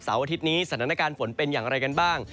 อาทิตย์นี้สถานการณ์ฝนเป็นอย่างไรกันบ้าง